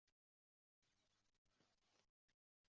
Senatorlar samarqandliklar muammolarini o‘rganmoqda